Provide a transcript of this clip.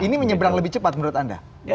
ini menyeberang lebih cepat menurut anda